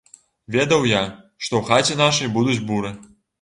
Ведаў я, што ў хаце нашай будуць буры.